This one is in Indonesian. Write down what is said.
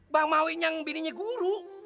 bang mauin yang bininya guru